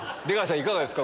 いかがですか？